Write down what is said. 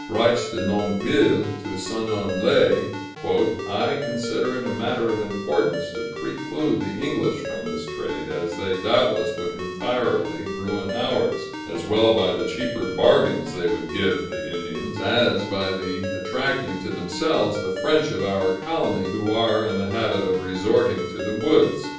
Writes De Nonville to Seignelay, "I consider it a matter of importance to preclude the English from this trade, as they doubtless would entirely ruin ours as well by the cheaper bargains they would give the Indians, as by attracting to themselves the French of our colony who are in the habit of resorting to the woods."